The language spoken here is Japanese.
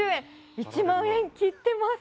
１万円切ってます。